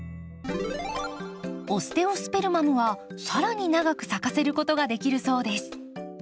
オステオスペルマムは更に長く咲かせることができるそうです。